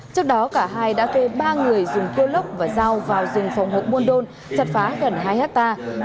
trước đó cả hai đã thuê ba người dùng cô lốc và dao vào rừng phòng hộ buôn đôn chặt phá gần hai hectare